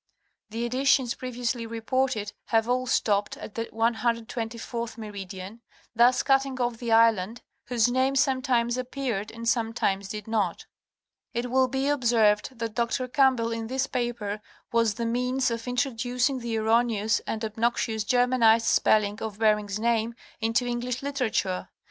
The editions previously reported have all stopped at the 124th meridian, thus cutting off the island, whose name sometimes appeared and some times did not. It will be observed that Dr. Campbell in this paper was the means of introducing the erroneous and obnoxious Germanized spelling of Ber ing's name into English literature.